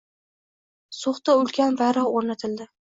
So‘xda ulkan bayroq o‘rnatildi